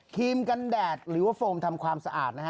รีมกันแดดหรือว่าโฟมทำความสะอาดนะฮะ